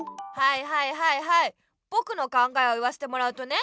はいはいはいぼくの考えを言わせてもらうとね